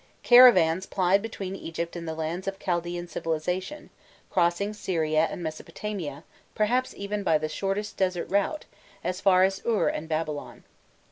Caravans plied between Egypt and the lands of Chaldæan civilization, crossing Syria and Mesopotamia, perhaps even by the shortest desert route, as far as Ur and Babylon.